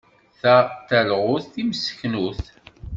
Ta d talɣut timseknut.